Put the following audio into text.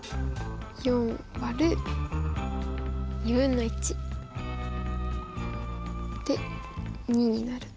４÷２分の１で２になる。